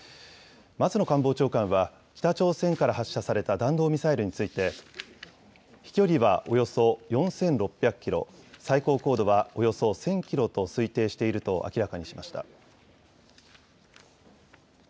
松野官房長官は、北朝鮮から発射された弾道ミサイルについて、飛距離はおよそ４６００キロ、最高高度はおよそ１０００キロと推定していると明らかにしました。